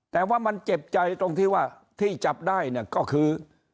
แต่ว่ามันเจ็บใจตรงที่ว่าที่จับได้เนี่ยก็คือ